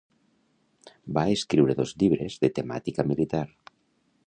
Va escriure dos llibres de temàtica militar.